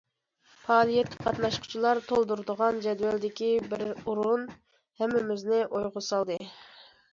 پائالىيەتكە قاتناشقۇچىلار تولدۇرىدىغان جەدۋەلدىكى بىر ئورۇن ھەممىمىزنى ئويغا سالدى.